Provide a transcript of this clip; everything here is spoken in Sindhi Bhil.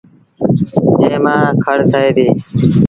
جݩهݩ مآݩ کڙ ٿئي ديٚ